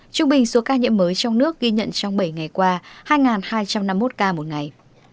trung bình số ca nhiễm mới trong nước ghi nhận trong bảy ngày qua hai hai trăm năm mươi một ca một ngày